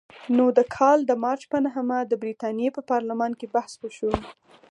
نو د کال د مارچ په نهمه د برتانیې په پارلمان کې بحث وشو.